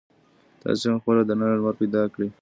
تاسې هم خپل دننه لمر پیدا کړئ.